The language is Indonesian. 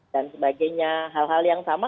dan sebagainya hal hal yang sama